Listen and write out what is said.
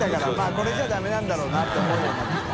これじゃダメなんだろうなて思うようになってきた。